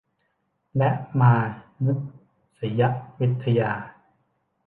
และมานุษยวิทยา